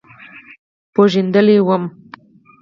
بوږنېدلى وم.